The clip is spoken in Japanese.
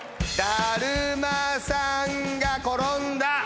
だるまさんがころんだ。